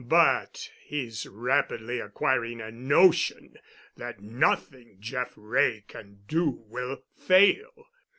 But he's rapidly acquiring a notion that nothing Jeff Wray can do will fail.